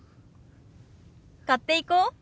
買っていこう。